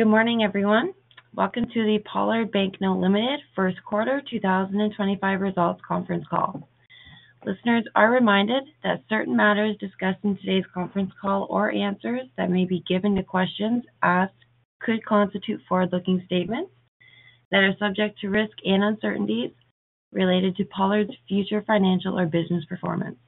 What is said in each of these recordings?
Good morning, everyone. Welcome to the Pollard Banknote Limited First Quarter 2025 Results Conference Call. Listeners are reminded that certain matters discussed in today's conference call or answers that may be given to questions asked could constitute forward-looking statements that are subject to risk and uncertainties related to Pollard's future financial or business performance.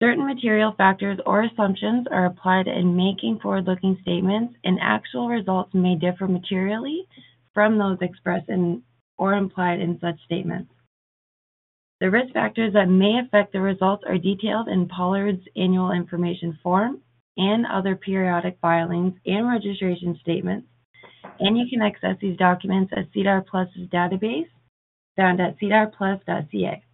Certain material factors or assumptions are applied in making forward-looking statements, and actual results may differ materially from those expressed or implied in such statements. The risk factors that may affect the results are detailed in Pollard's annual information form and other periodic filings and registration statements, and you can access these documents at SEDAR+'s database found at SEDARplus.ca.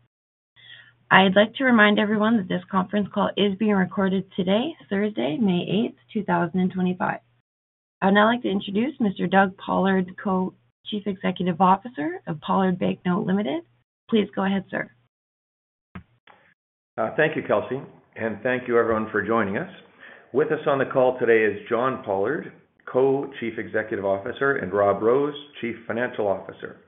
I'd like to remind everyone that this conference call is being recorded today, Thursday, May 8th, 2025. I would now like to introduce Mr. Doug Pollard, Co-Chief Executive Officer of Pollard Banknote Limi. Please go ahead, sir. Thank you, Kelsey, and thank you, everyone, for joining us. With us on the call today is John Pollard, Co-Chief Executive Officer, and Rob Rose, Chief Financial Officer.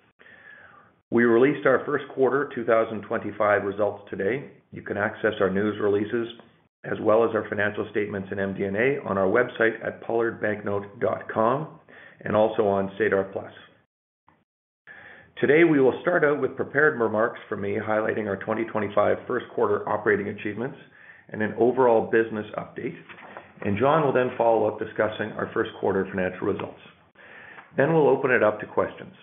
We released our First Quarter 2025 results today. You can access our news releases as well as our financial statements and MD&A on our website at pollardbanknote.com and also on SEDAR+. Today, we will start out with prepared remarks from me highlighting our 2025 First Quarter operating achievements and an overall business update, and John will then follow up discussing our First Quarter financial results. Then we'll open it up to questions.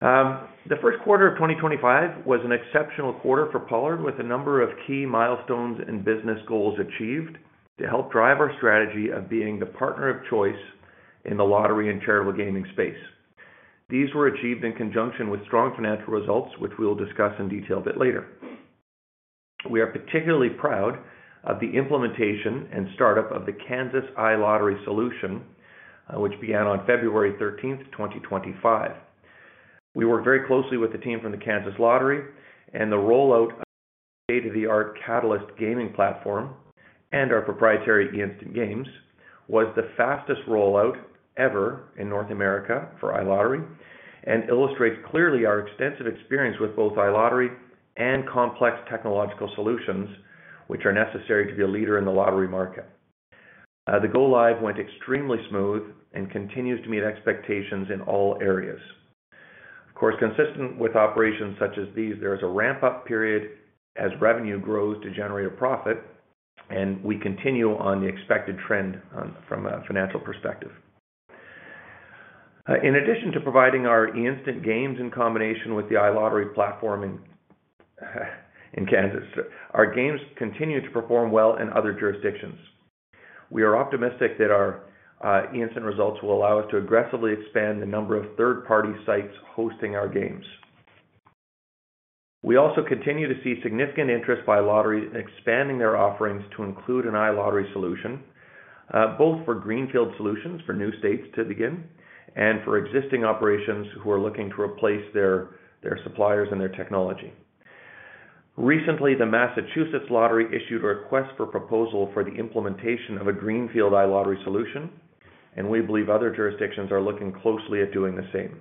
The First Quarter of 2025 was an exceptional quarter for Pollard, with a number of key milestones and business goals achieved to help drive our strategy of being the partner of choice in the lottery and charitable gaming space. These were achieved in conjunction with strong financial results, which we will discuss in detail a bit later. We are particularly proud of the implementation and startup of the Kansas iLottery solution, which began on February 13th, 2025. We worked very closely with the team from the Kansas Lottery, and the rollout of the state-of-the-art Catalyst Gaming Platform and our proprietary e-Instant games was the fastest rollout ever in North America for iLottery and illustrates clearly our extensive experience with both iLottery and complex technological solutions, which are necessary to be a leader in the lottery market. The go-live went extremely smooth and continues to meet expectations in all areas. Of course, consistent with operations such as these, there is a ramp-up period as revenue grows to generate a profit, and we continue on the expected trend from a financial perspective. In addition to providing our e-Instant games in combination with the iLottery platform in Kansas, our games continue to perform well in other jurisdictions. We are optimistic that our e-Instant results will allow us to aggressively expand the number of third-party sites hosting our games. We also continue to see significant interest by lottery in expanding their offerings to include an iLottery solution, both for greenfield solutions for new states to begin and for existing operations who are looking to replace their suppliers and their technology. Recently, the Massachusetts Lottery issued a request for proposal for the implementation of a greenfield iLottery solution, and we believe other jurisdictions are looking closely at doing the same.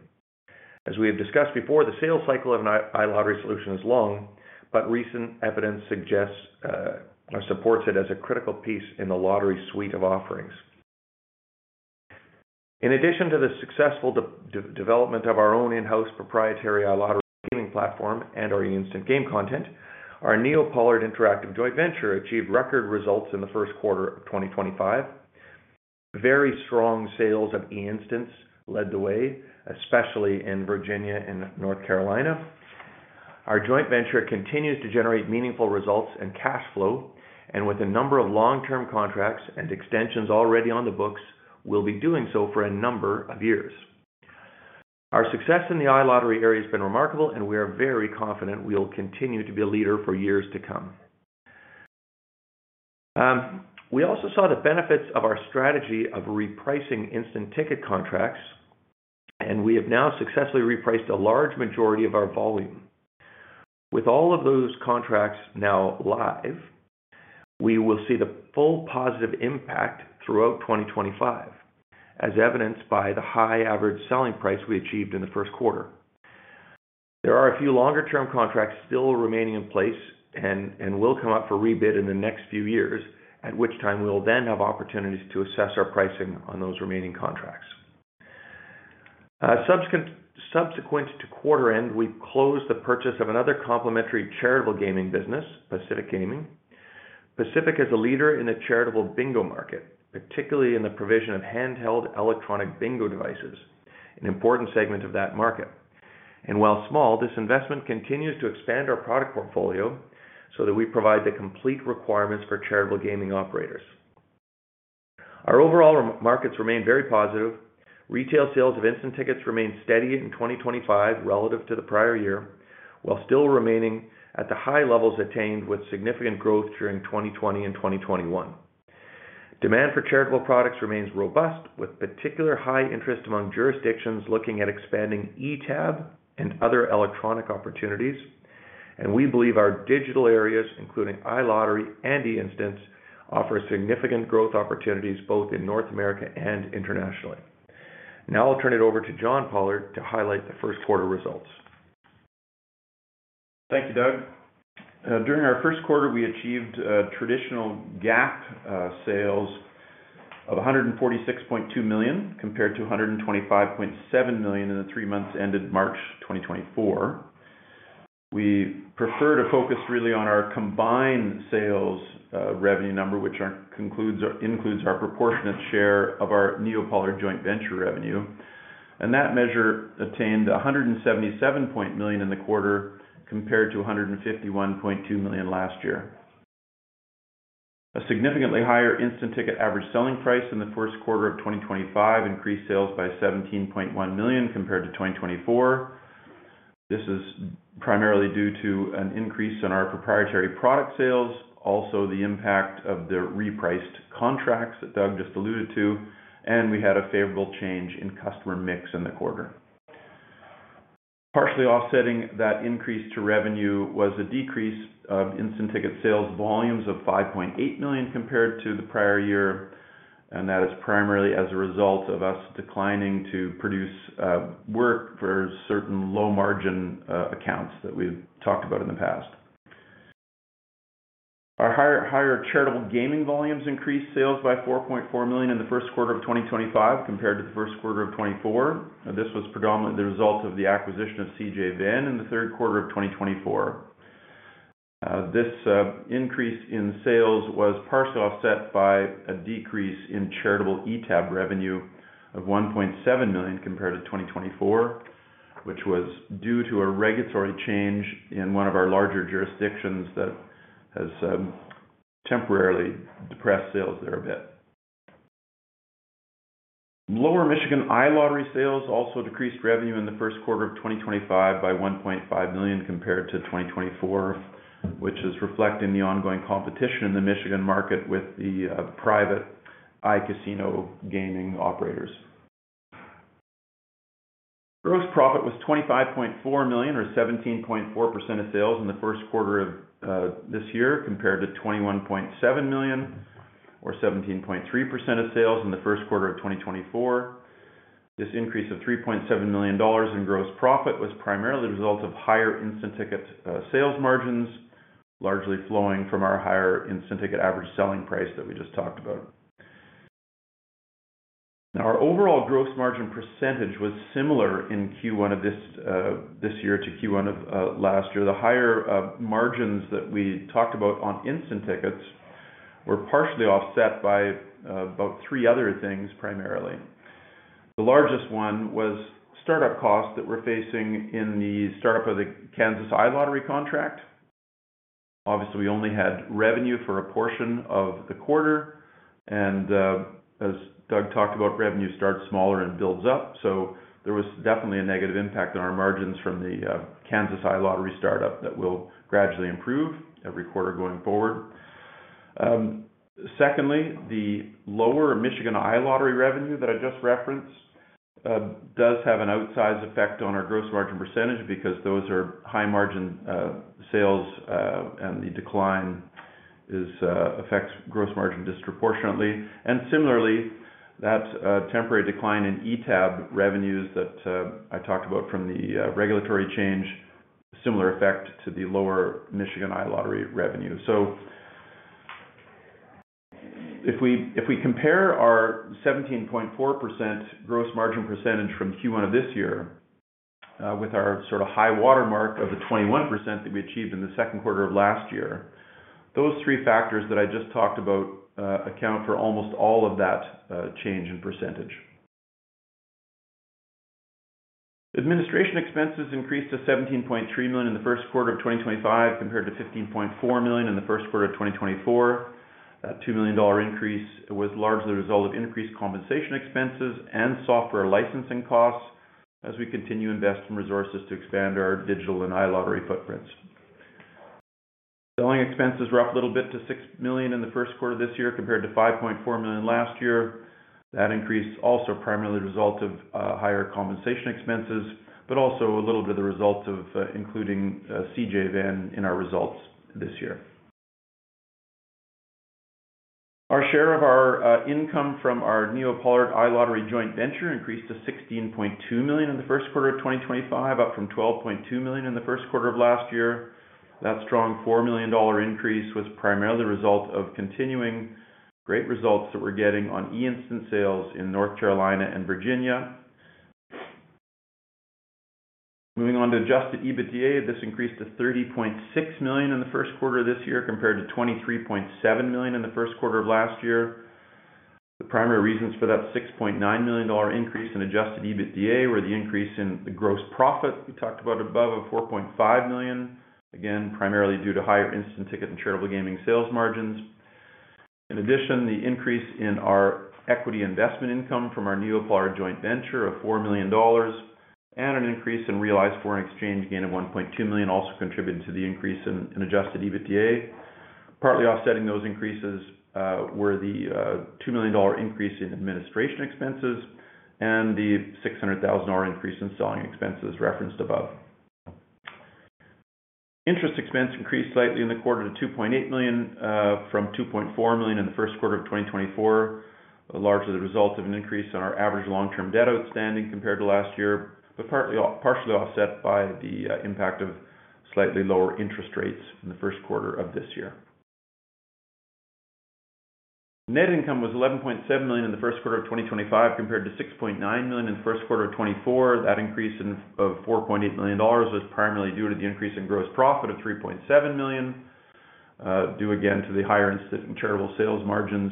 As we have discussed before, the sales cycle of an iLottery solution is long, but recent evidence supports it as a critical piece in the lottery suite of offerings. In addition to the successful development of our own in-house proprietary iLottery gaming platform and our e-Instant game content, our NeoPollard Interactive joint venture achieved record results in the first quarter of 2025. Very strong sales of e-Instants led the way, especially in Virginia and North Carolina. Our joint venture continues to generate meaningful results and cash flow, and with a number of long-term contracts and extensions already on the books, we'll be doing so for a number of years. Our success in the iLottery area has been remarkable, and we are very confident we'll continue to be a leader for years to come. We also saw the benefits of our strategy of repricing instant ticket contracts, and we have now successfully repriced a large majority of our volume. With all of those contracts now live, we will see the full positive impact throughout 2025, as evidenced by the high average selling price we achieved in the first quarter. There are a few longer-term contracts still remaining in place and will come up for rebid in the next few years, at which time we'll then have opportunities to assess our pricing on those remaining contracts. Subsequent to quarter end, we closed the purchase of another complementary charitable gaming business, Pacific Gaming. Pacific is a leader in the charitable bingo market, particularly in the provision of handheld electronic bingo devices, an important segment of that market. While small, this investment continues to expand our product portfolio so that we provide the complete requirements for charitable gaming operators. Our overall markets remain very positive. Retail sales of instant tickets remain steady in 2025 relative to the prior year, while still remaining at the high levels attained with significant growth during 2020 and 2021. Demand for charitable products remains robust, with particular high interest among jurisdictions looking at expanding e-tab and other electronic opportunities, and we believe our digital areas, including iLottery and e-Instants, offer significant growth opportunities both in North America and internationally. Now I'll turn it over to John Pollard to highlight the first quarter results. Thank you, Doug. During our first quarter, we achieved traditional GAAP sales of 146.2 million compared to 125.7 million in the three months ended March 2024. We prefer to focus really on our combined sales revenue number, which includes our proportionate share of our NeoPollard Joint Venture revenue, and that measure attained 177.7 million in the quarter compared to 151.2 million last year. A significantly higher instant ticket average selling price in the first quarter of 2025 increased sales by 17.1 million compared to 2024. This is primarily due to an increase in our proprietary product sales, also the impact of the repriced contracts that Doug just alluded to, and we had a favorable change in customer mix in the quarter. Partially offsetting that increase to revenue was a decrease of instant ticket sales volumes of 5.8 million compared to the prior year, and that is primarily as a result of us declining to produce work for certain low-margin accounts that we've talked about in the past. Our higher charitable gaming volumes increased sales by 4.4 million in the first quarter of 2025 compared to the first quarter of 2024. This was predominantly the result of the acquisition of CJ. Venne in the third quarter of 2024. This increase in sales was partially offset by a decrease in charitable e-tab revenue of 1.7 million compared to 2024, which was due to a regulatory change in one of our larger jurisdictions that has temporarily depressed sales there a bit. Lower Michigan iLottery sales also decreased revenue in the first quarter of 2025 by 1.5 million compared to 2024, which is reflecting the ongoing competition in the Michigan market with the private iCasino gaming operators. Gross profit was 25.4 million, or 17.4% of sales in the first quarter of this year, compared to 21.7 million, or 17.3% of sales in the first quarter of 2024. This increase of 3.7 million dollars in gross profit was primarily the result of higher instant ticket sales margins, largely flowing from our higher instant ticket average selling price that we just talked about. Now, our overall gross margin percentage was similar in Q1 of this year to Q1 of last year. The higher margins that we talked about on instant tickets were partially offset by about three other things primarily. The largest one was startup costs that we're facing in the startup of the Kansas iLottery contract. Obviously, we only had revenue for a portion of the quarter, and as Doug talked about, revenue starts smaller and builds up, so there was definitely a negative impact on our margins from the Kansas iLottery startup that will gradually improve every quarter going forward. Secondly, the lower Michigan iLottery revenue that I just referenced does have an outsized effect on our gross margin percentage because those are high-margin sales, and the decline affects gross margin disproportionately. Similarly, that temporary decline in e-tab revenues that I talked about from the regulatory change, similar effect to the lower Michigan iLottery revenue. If we compare our 17.4% gross margin percentage from Q1 of this year with our sort of high watermark of the 21% that we achieved in the second quarter of last year, those three factors that I just talked about account for almost all of that change in percentage. Administration expenses increased to 17.3 million in the first quarter of 2025 compared to 15.4 million in the first quarter of 2024. That 2 million dollar increase was largely the result of increased compensation expenses and software licensing costs as we continue to invest in resources to expand our digital and iLottery footprints. Selling expenses were up a little bit to 6 million in the first quarter of this year compared to 5.4 million last year. That increase is also primarily the result of higher compensation expenses, but also a little bit of the result of including CJ Venne in our results this year. Our share of our income from our NeoPollard iLottery joint venture increased to 16.2 million in the first quarter of 2025, up from 12.2 million in the first quarter of last year. That strong 4 million dollar increase was primarily the result of continuing great results that we're getting on e-Instant sales in North Carolina and Virginia. Moving on to adjusted EBITDA, this increased to 30.6 million in the first quarter of this year compared to 23.7 million in the first quarter of last year. The primary reasons for that 6.9 million dollar increase in adjusted EBITDA were the increase in the gross profit we talked about above of 4.5 million, again, primarily due to higher instant ticket and charitable gaming sales margins. In addition, the increase in our equity investment income from our NeoPollard joint venture of 4 million dollars and an increase in realized foreign exchange gain of 1.2 million also contributed to the increase in adjusted EBITDA. Partly offsetting those increases were the 2 million dollar increase in administration expenses and the 600,000 dollar increase in selling expenses referenced above. Interest expense increased slightly in the quarter to 2.8 million from 2.4 million in the first quarter of 2024, largely the result of an increase in our average long-term debt outstanding compared to last year, but partially offset by the impact of slightly lower interest rates in the first quarter of this year. Net income was 11.7 million in the first quarter of 2025 compared to 6.9 million in the first quarter of 2024. That increase of 4.8 million dollars was primarily due to the increase in gross profit of 3.7 million, due again to the higher instant and charitable sales margins.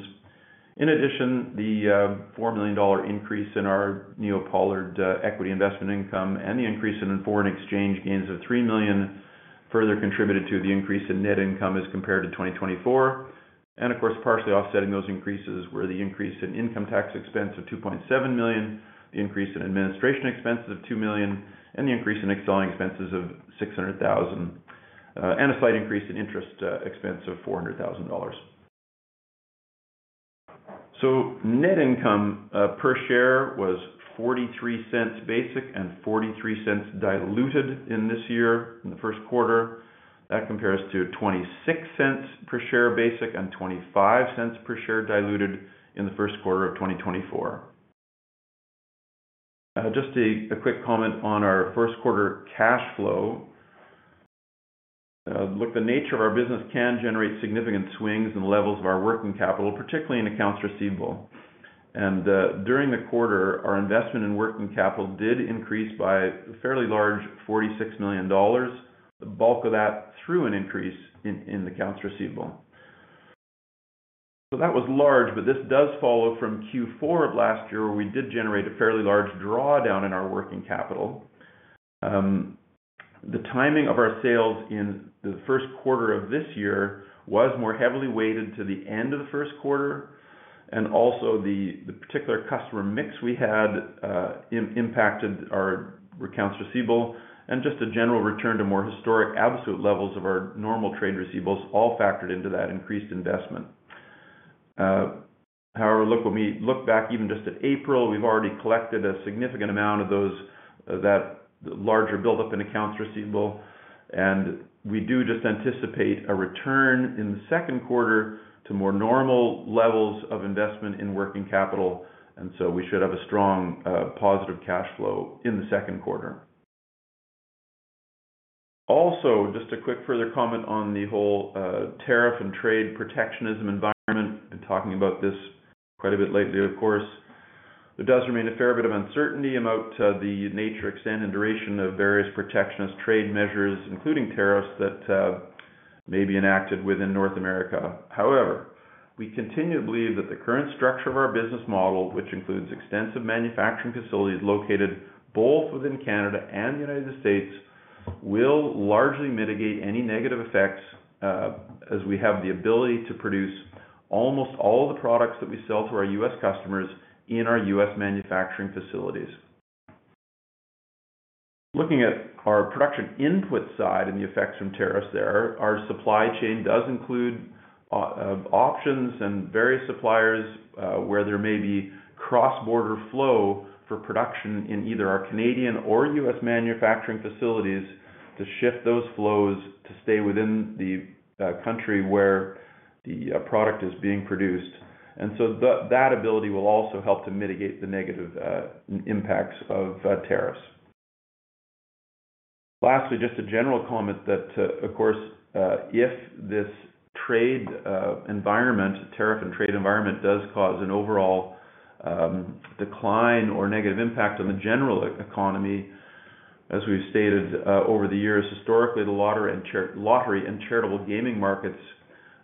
In addition, the 4 million dollar increase in our NeoPollard equity investment income and the increase in foreign exchange gains of 3 million further contributed to the increase in net income as compared to 2024. Of course, partially offsetting those increases were the increase in income tax expense of 2.7 million, the increase in administration expenses of 2 million, the increase in selling expenses of 600,000, and a slight increase in interest expense of 400,000 dollars. Net income per share was 0.43 basic and 0.43 diluted in this year in the first quarter. That compares to 0.26 per share basic and 0.25 per share diluted in the first quarter of 2024. Just a quick comment on our first quarter cash flow. Look, the nature of our business can generate significant swings in the levels of our working capital, particularly in accounts receivable. During the quarter, our investment in working capital did increase by a fairly large 46 million dollars, the bulk of that through an increase in accounts receivable. That was large, but this does follow from Q4 of last year where we did generate a fairly large drawdown in our working capital. The timing of our sales in the first quarter of this year was more heavily weighted to the end of the first quarter, and also the particular customer mix we had impacted our accounts receivable, and just a general return to more historic absolute levels of our normal trade receivables all factored into that increased investment. However, look, when we look back even just at April, we've already collected a significant amount of that larger buildup in accounts receivable, and we do just anticipate a return in the second quarter to more normal levels of investment in working capital, and so we should have a strong positive cash flow in the second quarter. Also, just a quick further comment on the whole tariff and trade protectionism environment. I've been talking about this quite a bit lately, of course. There does remain a fair bit of uncertainty about the nature, extent, and duration of various protectionist trade measures, including tariffs that may be enacted within North America. However, we continue to believe that the current structure of our business model, which includes extensive manufacturing facilities located both within Canada and the U.S., will largely mitigate any negative effects as we have the ability to produce almost all of the products that we sell to our U.S. customers in our U.S. manufacturing facilities. Looking at our production input side and the effects from tariffs there, our supply chain does include options and various suppliers where there may be cross-border flow for production in either our Canadian or U.S. manufacturing facilities to shift those flows to stay within the country where the product is being produced. That ability will also help to mitigate the negative impacts of tariffs. Lastly, just a general comment that, of course, if this trade environment, tariff and trade environment, does cause an overall decline or negative impact on the general economy, as we've stated over the years, historically, the lottery and charitable gaming markets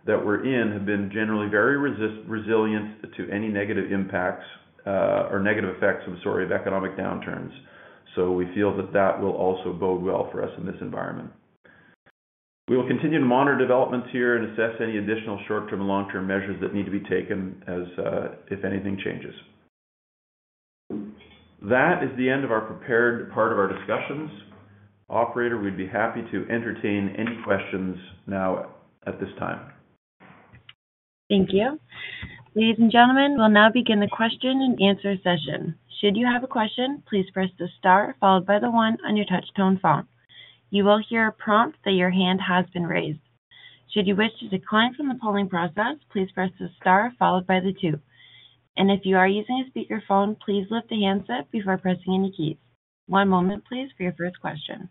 that we're in have been generally very resilient to any negative impacts or negative effects, I'm sorry, of economic downturns. We feel that that will also bode well for us in this environment. We will continue to monitor developments here and assess any additional short-term and long-term measures that need to be taken if anything changes. That is the end of our prepared part of our discussions. Operator, we'd be happy to entertain any questions now at this time. Thank you. Ladies and gentlemen, we'll now begin the question and answer session. Should you have a question, please press the star followed by the one on your touch-tone phone. You will hear a prompt that your hand has been raised. Should you wish to decline from the polling process, please press the star followed by the two. If you are using a speakerphone, please lift the handset before pressing any keys. One moment, please, for your first question.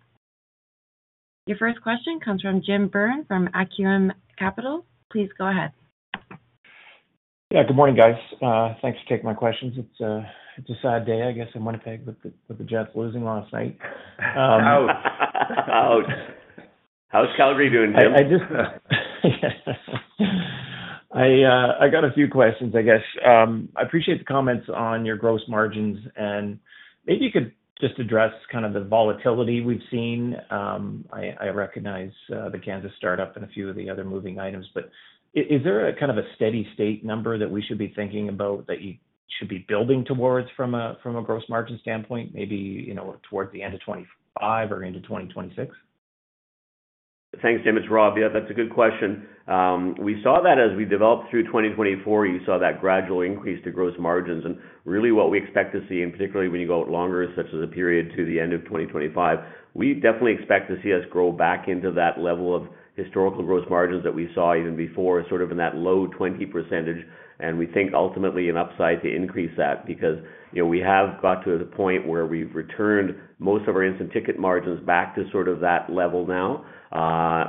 Your first question comes from Jim Byrne from Acumen Capital. Please go ahead. Yeah, good morning, guys. Thanks for taking my questions. It's a sad day, I guess, in Winnipeg with the Jets losing last night. Ouch. Ouch. How's Calgary doing, Jim? I got a few questions, I guess. I appreciate the comments on your gross margins, and maybe you could just address kind of the volatility we've seen. I recognize the Kansas startup and a few of the other moving items, but is there a kind of a steady-state number that we should be thinking about that you should be building towards from a gross margin standpoint, maybe towards the end of 2025 or into 2026? Thanks, Jim. It's Rob. Yeah, that's a good question. We saw that as we developed through 2024. You saw that gradual increase to gross margins. Really, what we expect to see, and particularly when you go longer, such as a period to the end of 2025, we definitely expect to see us grow back into that level of historical gross margins that we saw even before, sort of in that low 20% range. We think ultimately an upside to increase that because we have got to a point where we've returned most of our instant ticket margins back to sort of that level now.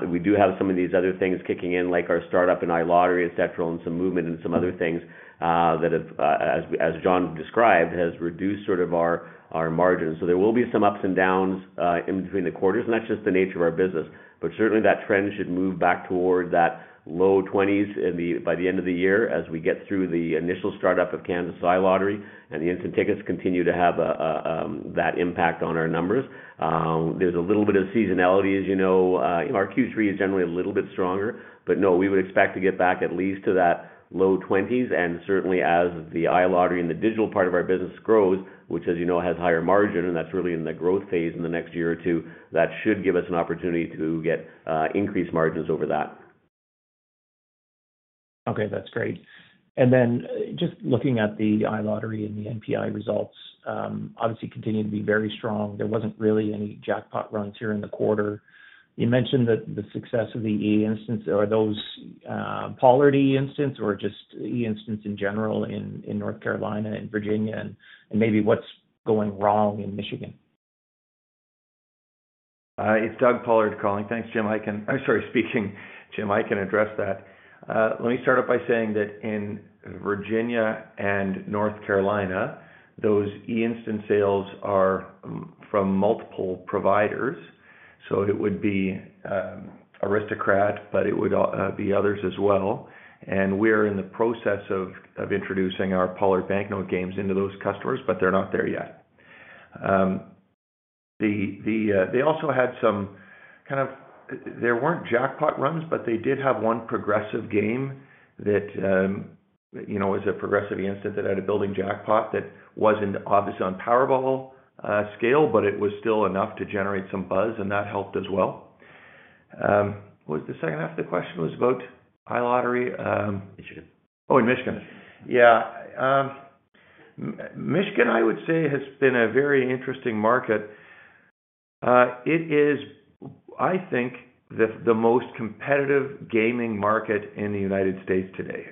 We do have some of these other things kicking in, like our startup and iLottery, etc., and some movement and some other things that have, as John described, has reduced sort of our margins. There will be some ups and downs in between the quarters, and that's just the nature of our business. Certainly, that trend should move back toward that low 20s by the end of the year as we get through the initial startup of Kansas iLottery, and the instant tickets continue to have that impact on our numbers. There's a little bit of seasonality, as you know. Our Q3 is generally a little bit stronger, but no, we would expect to get back at least to that low 20s. Certainly, as the iLottery and the digital part of our business grows, which, as you know, has higher margin, and that's really in the growth phase in the next year or two, that should give us an opportunity to get increased margins over that. Okay, that's great. Then just looking at the iLottery and the NPi results, obviously continue to be very strong. There wasn't really any jackpot runs here in the quarter. You mentioned that the success of the eInstants, are those Pollard eInstants or just eInstants in general in North Carolina and Virginia, and maybe what's going wrong in Michigan? It's Doug Pollard calling. Thanks, Jim. I'm sorry, speaking Jim. I can address that. Let me start off by saying that in Virginia and North Carolina, those e-Instant sales are from multiple providers. It would be Aristocrat, but it would be others as well. We're in the process of introducing our Pollard Banknote games into those customers, but they're not there yet. They also had some kind of, there were not jackpot runs, but they did have one progressive game that was a progressive e-Instant that had a building jackpot that was not obviously on Powerball scale, but it was still enough to generate some buzz, and that helped as well. What was the second half of the question? Was about iLottery? Michigan. Oh, in Michigan. Yeah. Michigan, I would say, has been a very interesting market. It is, I think, the most competitive gaming market in the U.S. today,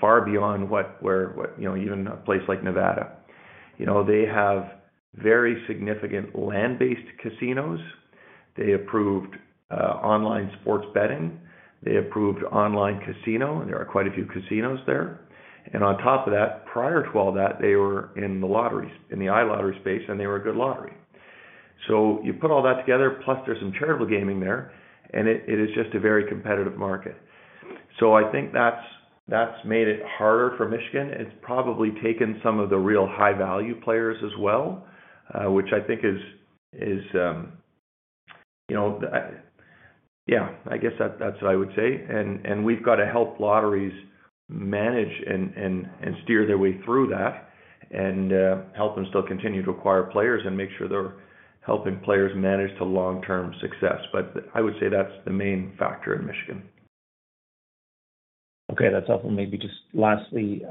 far beyond even a place like Nevada. They have very significant land-based casinos. They approved online sports betting. They approved online casino. There are quite a few casinos there. On top of that, prior to all that, they were in the lotteries, in the iLottery space, and they were a good lottery. You put all that together, plus there is some charitable gaming there, and it is just a very competitive market. I think that has made it harder for Michigan. It has probably taken some of the real high-value players as well, which I think is, yeah, I guess that is what I would say. We have got to help lotteries manage and steer their way through that and help them still continue to acquire players and make sure they are helping players manage to long-term success. I would say that is the main factor in Michigan. Okay, that's helpful. Maybe just lastly,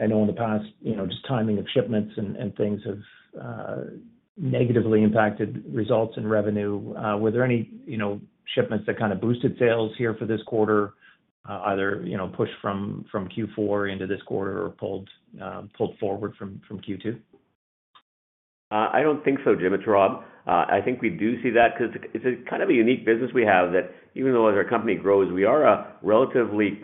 I know in the past, just timing of shipments and things have negatively impacted results and revenue. Were there any shipments that kind of boosted sales here for this quarter, either pushed from Q4 into this quarter or pulled forward from Q2? I don't think so, Jim. It's Rob. I think we do see that because it's kind of a unique business we have that even though as our company grows, we are a relatively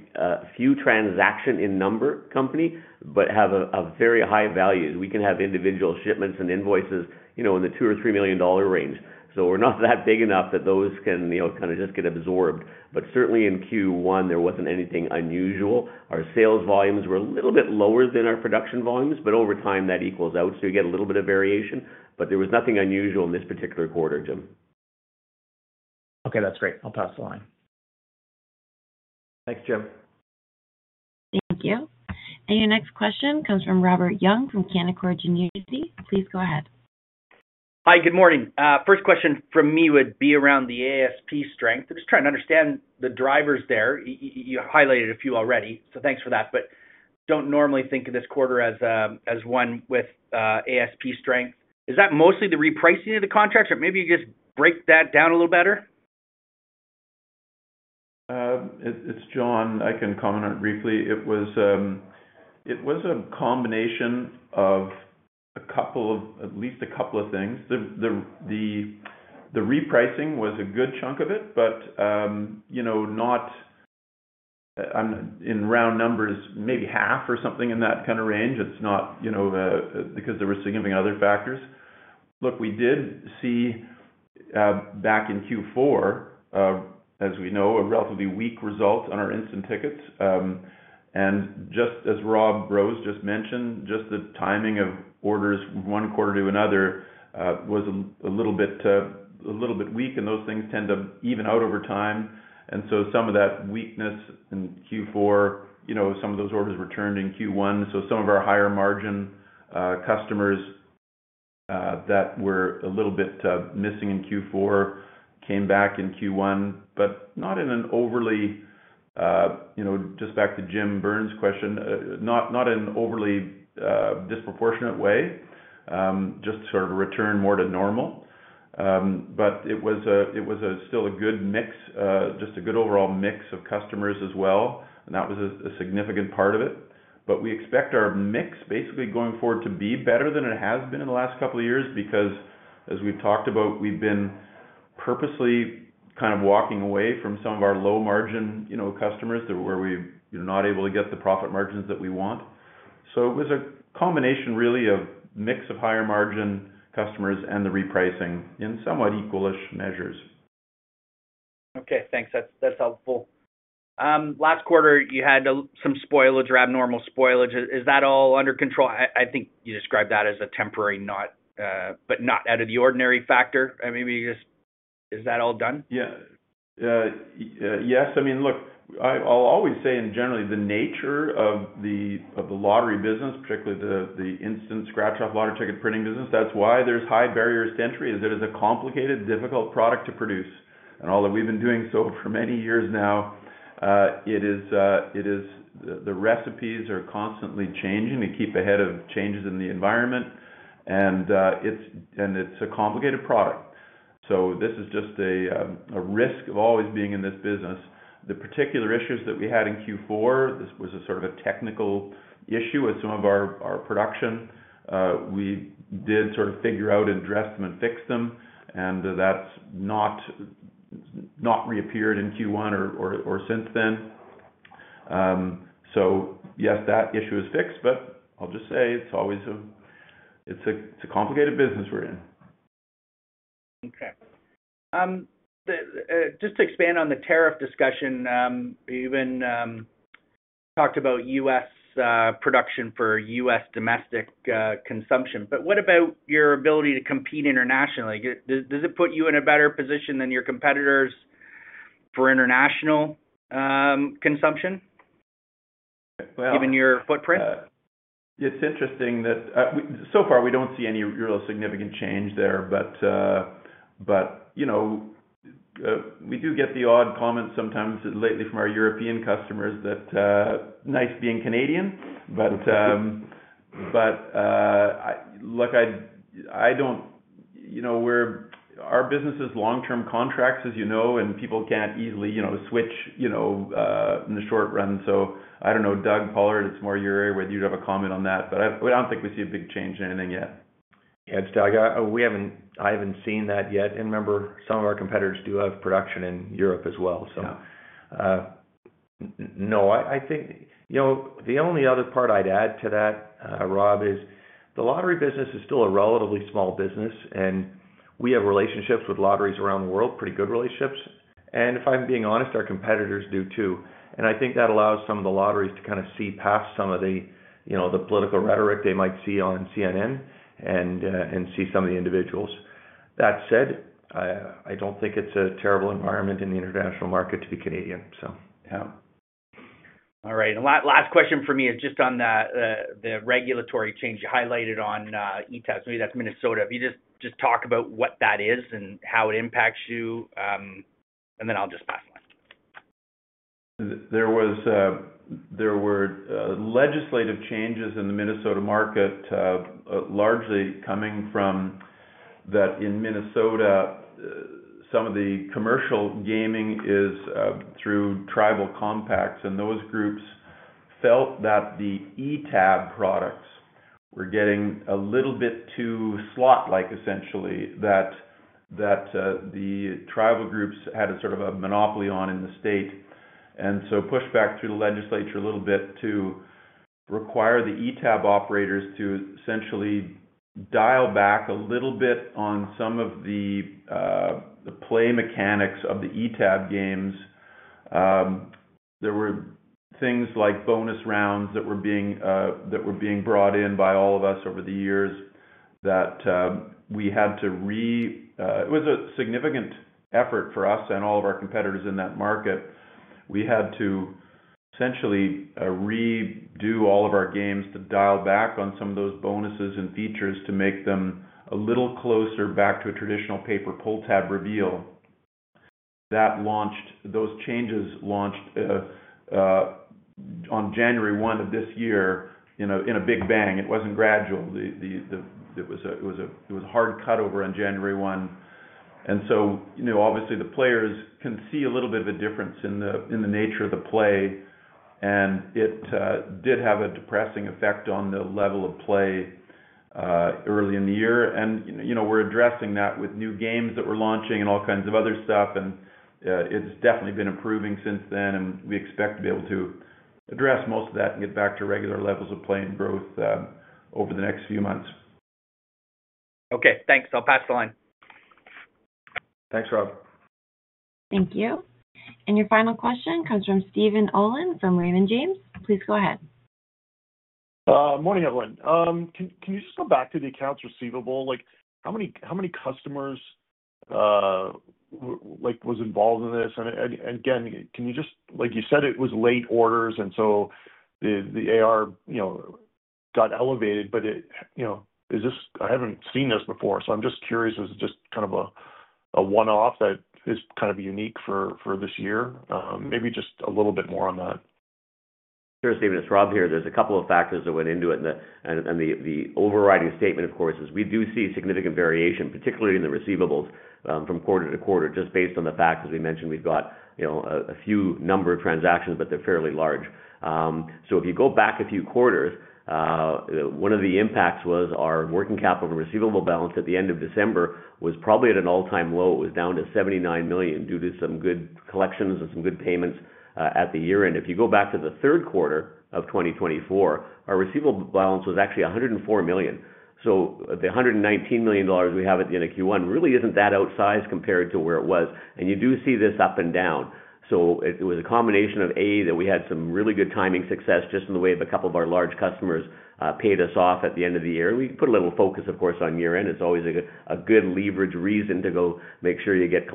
few transaction-in-number company but have very high values. We can have individual shipments and invoices in the 2 million or 3 million dollar range. We are not that big enough that those can kind of just get absorbed. Certainly in Q1, there wasn't anything unusual. Our sales volumes were a little bit lower than our production volumes, but over time, that equals out. You get a little bit of variation, but there was nothing unusual in this particular quarter, Jim. Okay, that's great. I'll pass the line. Thanks, Jim. Thank you. Your next question comes from Robert Young from Canaccord Genuity. Please go ahead. Hi, good morning. First question for me would be around the ASP strength. I'm just trying to understand the drivers there. You highlighted a few already, so thanks for that. I don't normally think of this quarter as one with ASP strength. Is that mostly the repricing of the contracts, or maybe you just break that down a little better? It's John. I can comment on it briefly. It was a combination of at least a couple of things. The repricing was a good chunk of it, but not in round numbers, maybe half or something in that kind of range. It's not because there were significant other factors. Look, we did see back in Q4, as we know, a relatively weak result on our instant tickets. Just as Rob Rose just mentioned, just the timing of orders one quarter to another was a little bit weak, and those things tend to even out over time. Some of that weakness in Q4, some of those orders returned in Q1. Some of our higher-margin customers that were a little bit missing in Q4 came back in Q1, not in an overly, just back to Jim Byrne's question, not in an overly disproportionate way, just sort of a return more to normal. It was still a good mix, just a good overall mix of customers as well. That was a significant part of it. We expect our mix basically going forward to be better than it has been in the last couple of years because, as we have talked about, we have been purposely kind of walking away from some of our low-margin customers where we are not able to get the profit margins that we want. It was a combination really of a mix of higher-margin customers and the repricing in somewhat equal-ish measures. Okay, thanks. That's helpful. Last quarter, you had some spoilage or abnormal spoilage. Is that all under control? I think you described that as a temporary, but not out of the ordinary factor. Maybe you just, is that all done? Yeah. Yes. I mean, look, I'll always say in general, the nature of the lottery business, particularly the instant scratch-off lottery ticket printing business, that's why there's high barriers to entry, is that it's a complicated, difficult product to produce. And although we've been doing so for many years now, the recipes are constantly changing to keep ahead of changes in the environment. And it's a complicated product. This is just a risk of always being in this business. The particular issues that we had in Q4, this was sort of a technical issue with some of our production. We did sort of figure out and address them and fix them, and that's not reappeared in Q1 or since then. Yes, that issue is fixed, but I'll just say it's a complicated business we're in. Okay. Just to expand on the tariff discussion, you even talked about U.S. production for U.S. domestic consumption. What about your ability to compete internationally? Does it put you in a better position than your competitors for international consumption, given your footprint? It's interesting that so far, we don't see any real significant change there. We do get the odd comment sometimes lately from our European customers that, "Nice being Canadian," but look, I don't—our business is long-term contracts, as you know, and people can't easily switch in the short run. I don't know, Doug Pollard, it's more your area whether you'd have a comment on that. I don't think we see a big change in anything yet. Yeah, it's Doug. I haven't seen that yet. Remember, some of our competitors do have production in Europe as well. No, I think the only other part I'd add to that, Rob, is the lottery business is still a relatively small business, and we have relationships with lotteries around the world, pretty good relationships. If I'm being honest, our competitors do too. I think that allows some of the lotteries to kind of see past some of the political rhetoric they might see on CNN and see some of the individuals. That said, I don't think it's a terrible environment in the international market to be Canadian. Yeah. All right. Last question for me is just on the regulatory change you highlighted on e-tabs. Maybe that's Minnesota. If you just talk about what that is and how it impacts you, and then I'll just pass the line. There were legislative changes in the Minnesota market largely coming from that in Minnesota, some of the commercial gaming is through tribal compacts. Those groups felt that the e-tab products were getting a little bit too slot-like, essentially, that the tribal groups had sort of a monopoly on in the state. They pushed back through the legislature a little bit to require the e-tab operators to essentially dial back a little bit on some of the play mechanics of the e-tab games. There were things like bonus rounds that were being brought in by all of us over the years that we had to re—it was a significant effort for us and all of our competitors in that market. We had to essentially redo all of our games to dial back on some of those bonuses and features to make them a little closer back to a traditional paper pull-tab reveal. Those changes launched on January 1 of this year in a big bang. It was not gradual. It was a hard cutover on January 1. Obviously, the players can see a little bit of a difference in the nature of the play. It did have a depressing effect on the level of play early in the year. We are addressing that with new games that we are launching and all kinds of other stuff. It has definitely been improving since then. We expect to be able to address most of that and get back to regular levels of play and growth over the next few months. Okay, thanks. I'll pass the line. Thanks, Rob. Thank you. Your final question comes from Steven Olin from Raymond James. Please go ahead. Morning, everyone. Can you just go back to the accounts receivable? How many customers was involved in this? Again, can you just—like you said, it was late orders, and so the AR got elevated. I have not seen this before. I am just curious, is it just kind of a one-off that is kind of unique for this year? Maybe just a little bit more on that. Sure, Steven. It's Rob here. There's a couple of factors that went into it. The overriding statement, of course, is we do see significant variation, particularly in the receivables from quarter to quarter, just based on the fact, as we mentioned, we've got a few number of transactions, but they're fairly large. If you go back a few quarters, one of the impacts was our working capital and receivable balance at the end of December was probably at an all-time low. It was down to 79 million due to some good collections and some good payments at the year-end. If you go back to the third quarter of 2024, our receivable balance was actually 104 million. The 119 million dollars we have at the end of Q1 really isn't that outsized compared to where it was. You do see this up and down. It was a combination of, A, that we had some really good timing success just in the way of a couple of our large customers paid us off at the end of the year. We put a little focus, of course, on year-end. It is always a good leverage reason to go make sure you get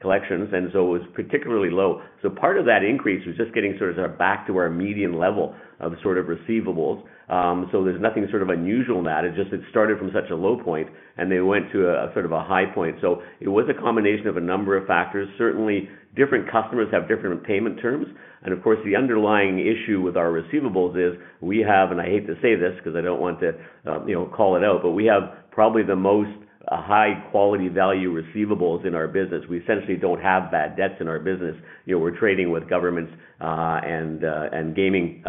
collections. It was particularly low. Part of that increase was just getting sort of back to our median level of sort of receivables. There is nothing unusual in that. It just started from such a low point, and then went to sort of a high point. It was a combination of a number of factors. Certainly, different customers have different payment terms. Of course, the underlying issue with our receivables is we have—and I hate to say this because I do not want to call it out—but we have probably the most high-quality value receivables in our business. We essentially do not have bad debts in our business. We are trading with governments and gaming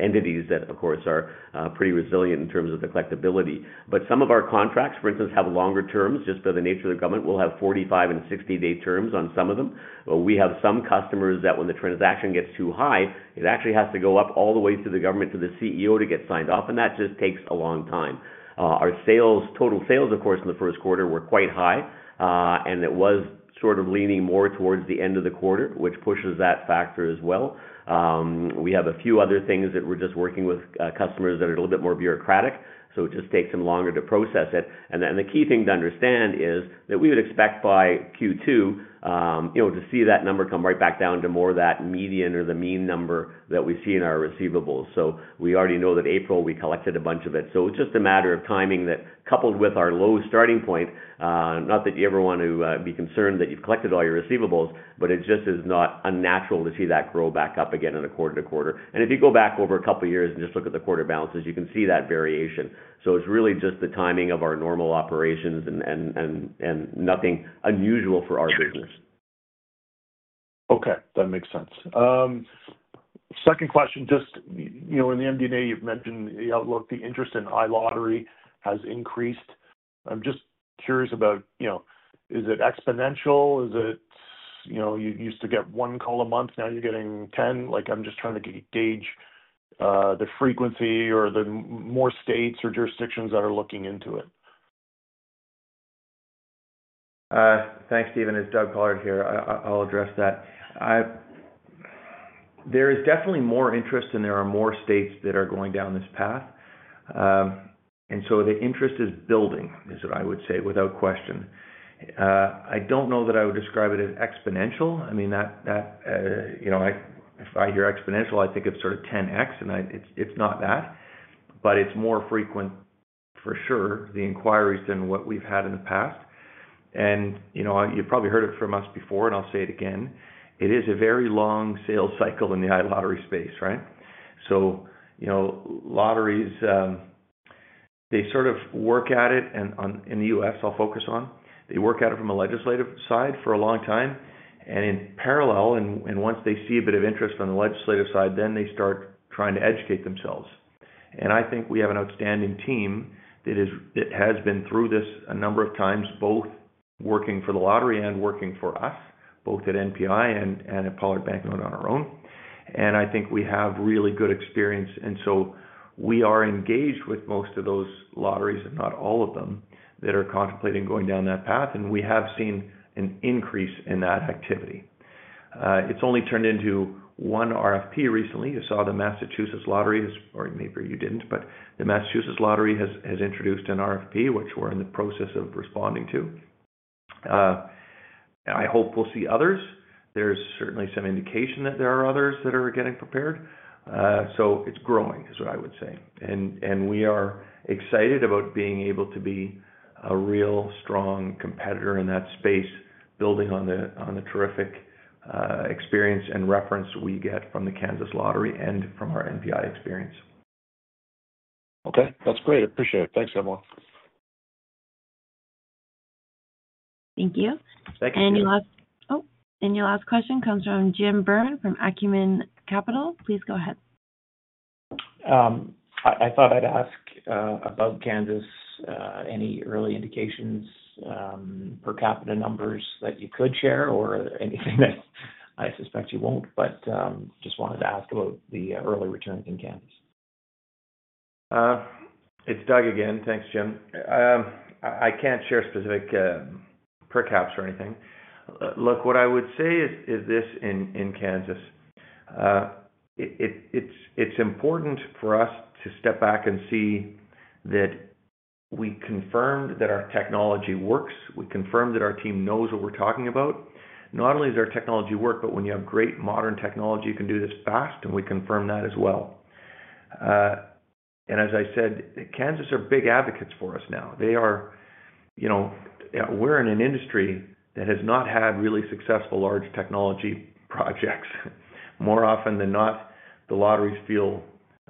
entities that, of course, are pretty resilient in terms of the collectibility. Some of our contracts, for instance, have longer terms just by the nature of the government. We will have 45 and 60-day terms on some of them. We have some customers that when the transaction gets too high, it actually has to go up all the way through the government to the CEO to get signed off. That just takes a long time. Our total sales, of course, in the first quarter were quite high. It was sort of leaning more towards the end of the quarter, which pushes that factor as well. We have a few other things that we are just working with customers that are a little bit more bureaucratic. It just takes them longer to process it. The key thing to understand is that we would expect by Q2 to see that number come right back down to more of that median or the mean number that we see in our receivables. We already know that in April, we collected a bunch of it. It is just a matter of timing that, coupled with our low starting point, not that you ever want to be concerned that you have collected all your receivables, but it just is not unnatural to see that grow back up again in a quarter to quarter. If you go back over a couple of years and just look at the quarter balances, you can see that variation. It is really just the timing of our normal operations and nothing unusual for our business. Okay. That makes sense. Second question, just in the MD&A, you've mentioned the outlook. The interest in iLottery has increased. I'm just curious about, is it exponential? Is it you used to get one call a month, now you're getting 10? I'm just trying to gauge the frequency or the more states or jurisdictions that are looking into it. Thanks, Steven. It's Doug Pollard here. I'll address that. There is definitely more interest, and there are more states that are going down this path. The interest is building, is what I would say, without question. I don't know that I would describe it as exponential. I mean, if I hear exponential, I think of sort of 10x, and it's not that. It is more frequent, for sure, the inquiries than what we've had in the past. You've probably heard it from us before, and I'll say it again. It is a very long sales cycle in the iLottery space, right? Lotteries, they sort of work at it in the U.S., I'll focus on. They work at it from a legislative side for a long time. In parallel, once they see a bit of interest on the legislative side, they start trying to educate themselves. I think we have an outstanding team that has been through this a number of times, both working for the lottery and working for us, both at NPi and at Pollard Banknote and on our own. I think we have really good experience. We are engaged with most of those lotteries, if not all of them, that are contemplating going down that path. We have seen an increase in that activity. It has only turned into one RFP recently. You saw the Massachusetts Lottery, or maybe you did not, but the Massachusetts Lottery has introduced an RFP, which we are in the process of responding to. I hope we will see others. There is certainly some indication that there are others that are getting prepared. It is growing, is what I would say. We are excited about being able to be a real strong competitor in that space, building on the terrific experience and reference we get from the Kansas Lottery and from our NPi experience. Okay. That's great. Appreciate it. Thanks, everyone. Thank you. Thank you, Steven. Your last question comes from Jim Byrne from Acumen Capital. Please go ahead. I thought I'd ask about Kansas, any early indications per capita numbers that you could share, or anything that I suspect you won't, but just wanted to ask about the early returns in Kansas. It's Doug again. Thanks, Jim. I can't share specific per caps or anything. Look, what I would say is this in Kansas. It's important for us to step back and see that we confirmed that our technology works. We confirmed that our team knows what we're talking about. Not only does our technology work, but when you have great modern technology, you can do this fast, and we confirm that as well. As I said, Kansas are big advocates for us now. We're in an industry that has not had really successful large technology projects. More often than not, the lotteries feel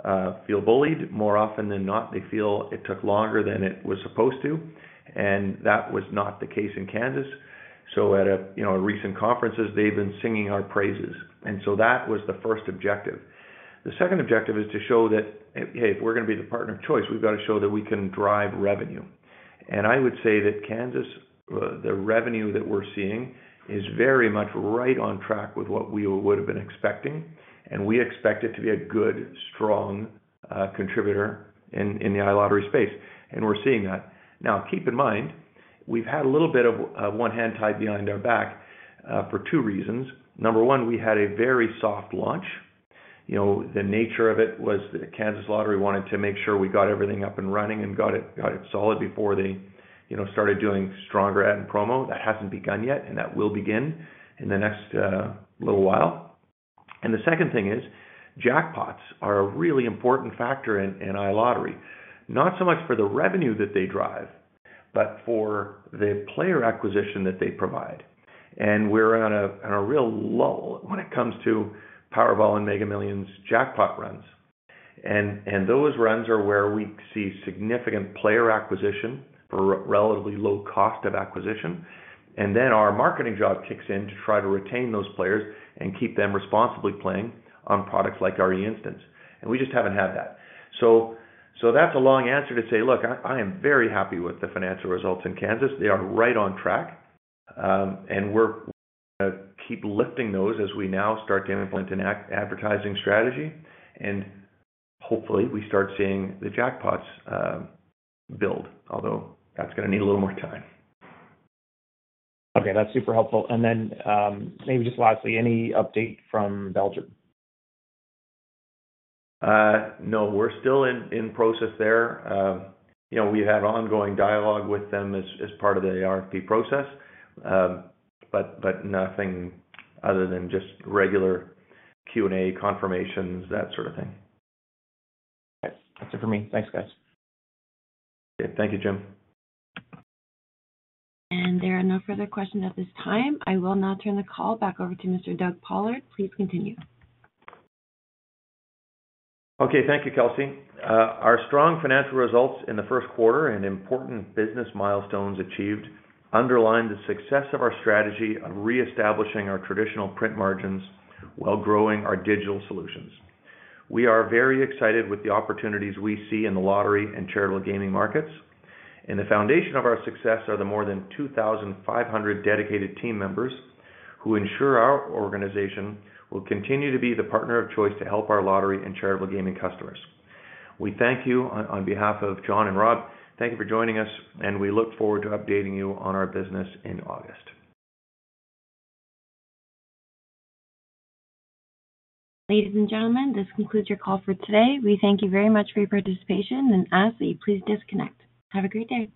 bullied. More often than not, they feel it took longer than it was supposed to. That was not the case in Kansas. At recent conferences, they've been singing our praises. That was the first objective. The second objective is to show that, hey, if we're going to be the partner of choice, we've got to show that we can drive revenue. I would say that Kansas, the revenue that we're seeing is very much right on track with what we would have been expecting. We expect it to be a good, strong contributor in the iLottery space. We're seeing that. Now, keep in mind, we've had a little bit of one hand tied behind our back for two reasons. Number one, we had a very soft launch. The nature of it was that Kansas Lottery wanted to make sure we got everything up and running and got it solid before they started doing stronger ad and promo. That hasn't begun yet, and that will begin in the next little while. The second thing is jackpots are a really important factor in iLottery, not so much for the revenue that they drive, but for the player acquisition that they provide. We are on a real lull when it comes to Powerball and Mega Millions jackpot runs. Those runs are where we see significant player acquisition for relatively low cost of acquisition. Our marketing job then kicks in to try to retain those players and keep them responsibly playing on products like e-Instant games. We just have not had that. That is a long answer to say, look, I am very happy with the financial results in Kansas. They are right on track. We are going to keep lifting those as we now start to implement an advertising strategy. Hopefully, we start seeing the jackpots build, although that is going to need a little more time. Okay. That's super helpful. Maybe just lastly, any update from Belgium? No, we're still in process there. We have ongoing dialogue with them as part of the RFP process, but nothing other than just regular Q&A, confirmations, that sort of thing. Okay. That's it for me. Thanks, guys. Okay. Thank you, Jim. There are no further questions at this time. I will now turn the call back over to Mr. Doug Pollard. Please continue. Okay. Thank you, Kelsey. Our strong financial results in the first quarter and important business milestones achieved underlined the success of our strategy of reestablishing our traditional print margins while growing our digital solutions. We are very excited with the opportunities we see in the lottery and charitable gaming markets. The foundation of our success are the more than 2,500 dedicated team members who ensure our organization will continue to be the partner of choice to help our lottery and charitable gaming customers. We thank you on behalf of John and Rob. Thank you for joining us, and we look forward to updating you on our business in August. Ladies and gentlemen, this concludes your call for today. We thank you very much for your participation and ask that you please disconnect. Have a great day.